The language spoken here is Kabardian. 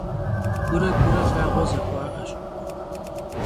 Gure gure lhağue zexua'eş.